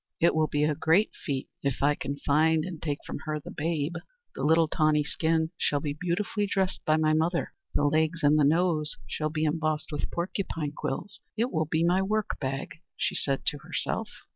"It will be a great feat if I can find and take from her the babe. The little tawny skin shall be beautifully dressed by my mother. The legs and the nose shall be embossed with porcupine quills. It will be my work bag," she said to herself.